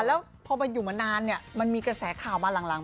แล้วพออยู่มานานเนี่ยมันมีกระแสข่าวมาหลัง